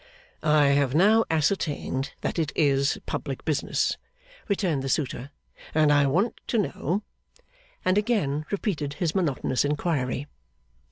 'I have now ascertained that it is public business,' returned the suitor, 'and I want to know' and again repeated his monotonous inquiry.